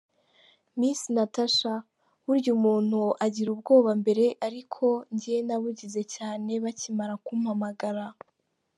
Miss Natacha : Burya umuntu agira ubwoba mbere ariko njye nabugize cyane bakimara kumpamagara.